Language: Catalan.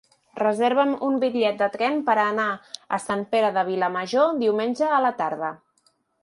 Reserva'm un bitllet de tren per anar a Sant Pere de Vilamajor diumenge a la tarda.